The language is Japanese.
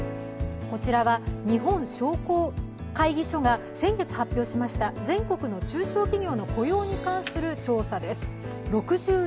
こちらは日本商工会議所が先月発表しました全国の中小企業の雇用に関する調査です。